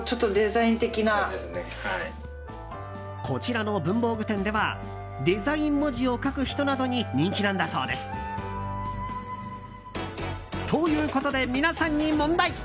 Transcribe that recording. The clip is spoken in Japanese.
こちらの文房具店ではデザイン文字を書く人などに人気なんだそうです。ということで皆さんに問題。